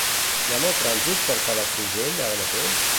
Hi ha molt trànsit per Palafrugell ara mateix?